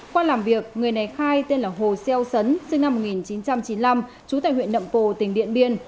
qua làm việc người này khai tên là hồ xeo sấn sinh năm một nghìn chín trăm chín mươi năm trú tại huyện nậm pồ tỉnh điện biên